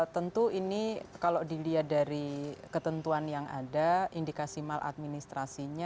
tentu ini kalau dilihat dari ketentuan yang ada indikasi maladministrasinya